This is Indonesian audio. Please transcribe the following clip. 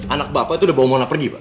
anak bapak itu udah bawa mona pergi pak